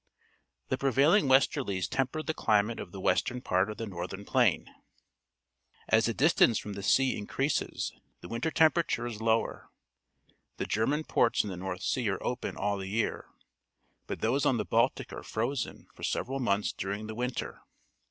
The prevailing \ vp.^terlies ternper the cli mate of the western part of tlie northern plain. As the distance from the sea increases, the winter temperature is lower. The German ports in the North Sea are open all the year, but those on the Baltic are frozen for several months during the winter.